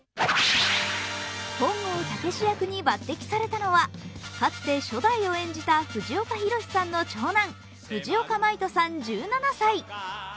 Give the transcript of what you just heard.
本郷猛役に抜てきされたのは、かつて初代を演じた藤岡弘、さんの長男藤岡真威人さん１７歳。